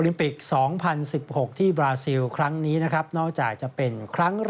มันมักกัน